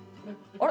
あれ？